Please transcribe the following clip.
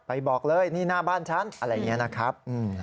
บอกเลยนี่หน้าบ้านฉันอะไรอย่างนี้นะครับ